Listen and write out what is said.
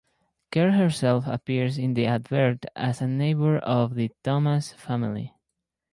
Kerr herself appears in this advert as a neighbour of the Thomas family.